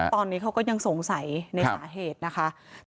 ตอนนี้เขาก็ยังสงสัยในสาเหตุนะคะ